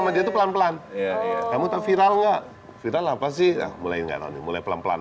aja itu pelan pelan kamu tahu viral nggak viral apa sih mulai nggak tahu nih mulai pelan pelan